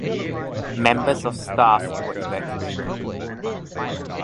Members of staff were evacuated.